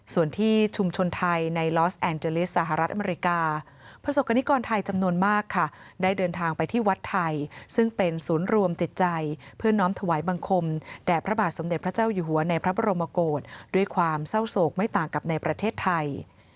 ส่วนที่ชุมชนไทยในลอสแอนเจลิสหรัฐอเมริกาประสบกรณิกรไทยจำนวนมากค่ะได้เดินทางไปที่วัดไทยซึ่งเป็นศูนย์รวมจิตใจเพื่อน้อมถวายบังคมแด่พระบาทสมเด็จพระเจ้าอยู่หัวในพระบรมโกศด้วยความเศร้าโศกไม่ต่างกับในประเทศไทย